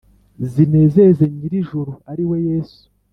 Zinezeze Nyirijuru ariwe yesu .